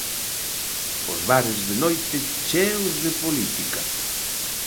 Os bares de noite, cheos de política.